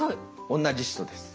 同じ人です。